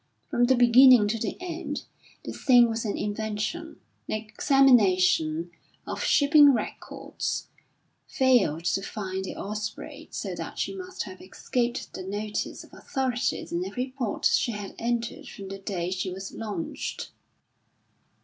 From the beginning to end the thing was an invention; an examination of shipping records failed to find the Osprey so that she must have escaped the notice of the authorities in every port she had entered from the day she was launched!